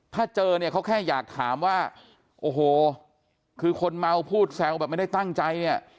ถ้าเจอเนี่ยเขาแค่อยากถามว่าโอ้โหคือคนเมาพูดแซวแบบไม่ได้ตั้งใจเนี่ย